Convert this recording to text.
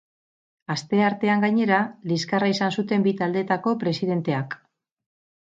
Asteartean, gainera, liskarra izan zuten bi taldeetako presidenteak.